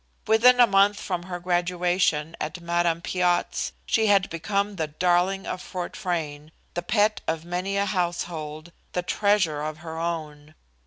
Within a month from her graduation at Madame Piatt's she had become the darling of Fort Frayne, the pet of many a household, the treasure of her own.